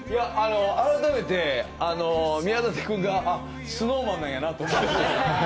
改めて宮舘君がＳｎｏｗＭａｎなんやなと思って。